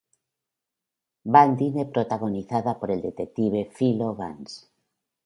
Van Dine protagonizada por el detective Philo Vance.